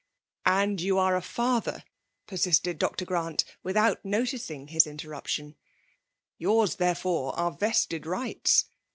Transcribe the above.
'*" And you are a father !" persisted Dr. Orant, without noticing his interruption ; "Yours, therefore, are vested rights.